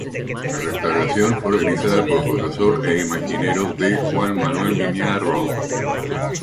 La restauración fue realizada por el profesor e imaginero D. Juan Manuel Miñarro.